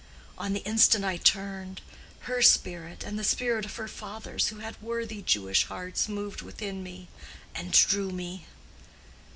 On the instant I turned—her spirit and the spirit of her fathers, who had worthy Jewish hearts, moved within me, and drew me.